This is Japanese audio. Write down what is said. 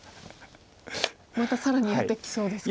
また更にやってきそうですか？